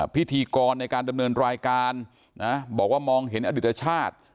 พิธีกรในการดำเนินรายการนะบอกว่ามองเห็นอดิตชาติ